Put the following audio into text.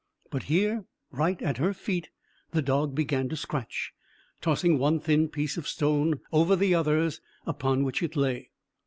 But here, right at her feet, the dog began to scratch, tossing one thin piece of stone over the others upon which it lay.